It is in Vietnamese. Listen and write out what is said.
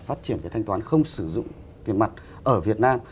phát triển cái thanh toán không sử dụng tiền mặt ở việt nam